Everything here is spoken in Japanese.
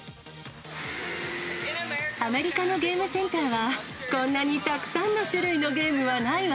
アメリカのゲームセンターは、こんなにたくさんの種類のゲームはないわ。